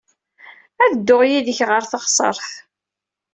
Ad dduɣ yid-k ɣer teɣsert.